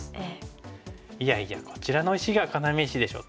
いやいやこちらの石が要石でしょうと。